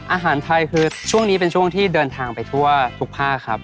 อาหารไทยคือช่วงนี้เป็นช่วงที่เดินทางไปทั่วทุกภาคครับ